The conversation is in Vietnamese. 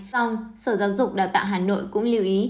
vâng sở giáo dục đào tạo hà nội cũng lưu ý